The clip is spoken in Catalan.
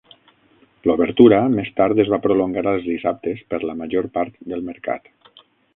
L'obertura més tard es va prolongar als dissabtes per la major part del mercat.